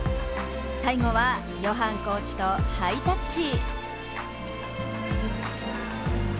最後は、ヨハンコーチとハイタッチ。